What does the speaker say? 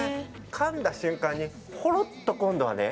かんだ瞬間に、ほろっと今度はね